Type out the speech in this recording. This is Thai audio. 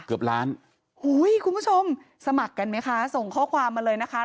เกือบล้านคุณผู้ชมสมัครกันไหมคะส่งข้อความมาเลยนะคะ